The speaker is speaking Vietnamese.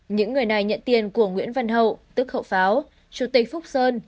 những người này nhận tiền của nguyễn văn hậu tức khẩu pháo chủ tịch phúc sơn